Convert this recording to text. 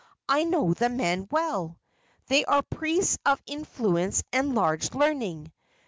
"I know the men well. They are priests of influence and large learning.